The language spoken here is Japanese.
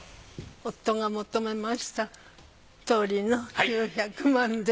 夫が求めましたとおりの９００万で。